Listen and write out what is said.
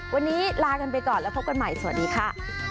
วันนี้ลากันไปก่อนแล้วพบกันใหม่สวัสดีค่ะ